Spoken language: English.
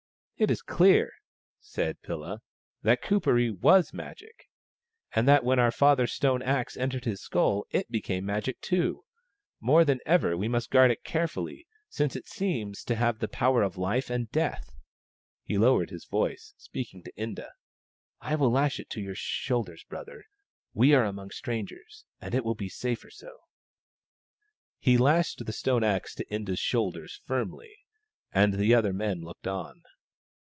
"It is clear," said Pilla, " that Kuperee was Magic, and that when our father's stone axe entered his skull it became Magic too. More than ever we must guard it carefully, since it seems to have the power of life and death." He lowered his voice, speaking to Inda. " I will lash it to your shoulders, brother — we are among strangers, and it will be safer so." He lashed the axe to Inda's shoulders firmly, and the other men looked on.